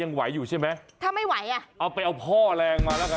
โอ้หยาวนะครับ